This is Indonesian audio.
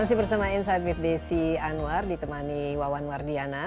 masih bersama insight with desi anwar ditemani wawan wardiana